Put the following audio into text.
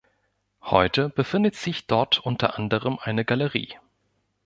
Heute befindet sich dort unter anderem eine Galerie.